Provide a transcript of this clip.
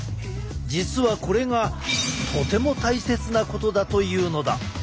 実はこれがとても大切なことだというのだ。